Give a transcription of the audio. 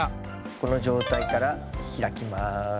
この状態から開きます。